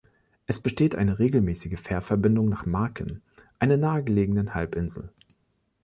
Es besteht eine regelmäßige Fährverbindung nach Marken, einer nahe gelegenen Halbinsel.